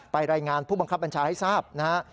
รายงานผู้บังคับบัญชาให้ทราบนะฮะ